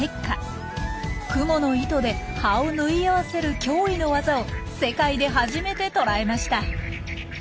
クモの糸で葉を縫い合わせる驚異の技を世界で初めて捉えました。